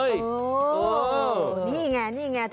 อย่างนี้เลย